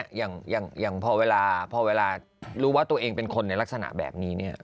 อย่างพอเวลาพอเวลารู้ว่าตัวเองเป็นคนในลักษณะแบบนี้เนี่ย